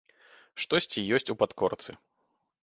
Штосьці ёсць у падкорцы.